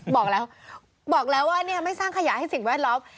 บอกแล้วบอกแล้วว่าเนี่ยไม่สร้างขยะให้สิ่งแวดล้อม